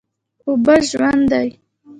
اوبه ژوند دی؟